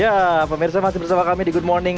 ya pemirsa masih bersama kami di good morning